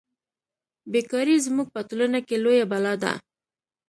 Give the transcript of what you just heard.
بې کاري زموږ په ټولنه کې لویه بلا ده